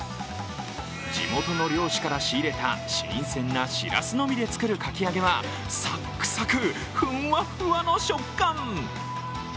地元の漁師から仕入れた新鮮なしらすのみで作るかき揚げはサックサク、ふんわふわの食感。